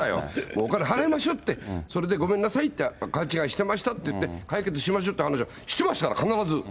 お金払いましょうって、それで間違いました、勘違いしてましたってお話して、解決しましょうっていう話をしてましたから、必ず。